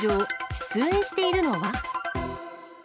出演しているのは？